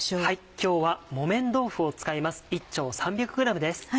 今日は木綿豆腐を使います。